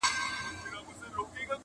ویل کوچ دی له رباته د کاروان استازی راغی،